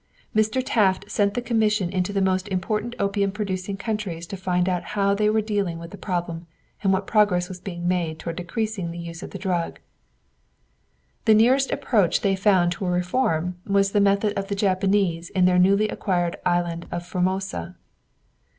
Mr. Taft sent the commission into the most important opium producing countries to find out how they were dealing with the problem and what progress was being made toward decreasing the use of the drug. The nearest approach they found to a reform was the method of the Japanese in their newly acquired island of Formosa.